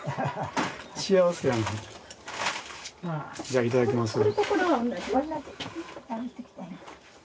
じゃあいただきます。